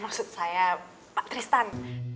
maksud saya pak tristan